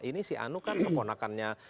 ini si anu kan keponakannya